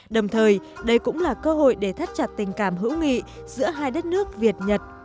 đồng thời đây cũng là cơ hội để thắt chặt tình cảm hữu nghị giữa hai đất nước việt nhật